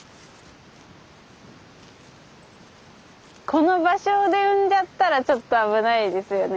この場所で産んじゃったらちょっと危ないですよね。